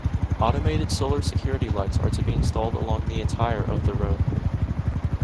Automated solar security lights are to be installed along the entire of the road.